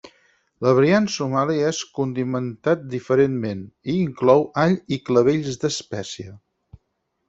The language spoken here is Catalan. El variant somali és condimentat diferentment, i inclou all i clavells d'espècia.